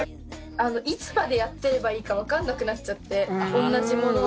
あのいつまでやっていればいいか分かんなくなっちゃっておんなじものを。